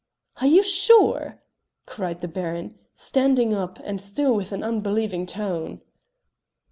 "Are you sure?" cried the Baron, standing up, and still with an unbelieving tone.